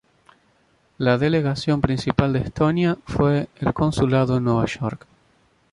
La delegación principal de Estonia fue el consulado en Nueva York.